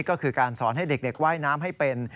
ก็คือการสอนให้เด็กว่ายน้ำให้เป็น